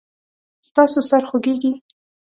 ستاسو سر خوږیږي؟